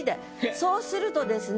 そうするとですね